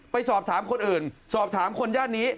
ไปสอบถามคนอื่นสอบถามคนย่านนี้